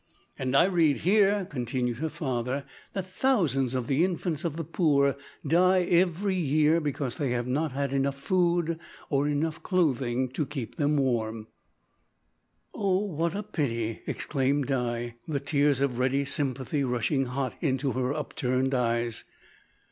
"And I read here," continued her father, "that thousands of the infants of the poor die every year because they have not enough food, or enough clothing to keep them warm." "Oh what a pity!" exclaimed Di, the tears of ready sympathy rushing hot into her upturned eyes.